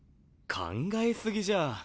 考え過ぎじゃあ。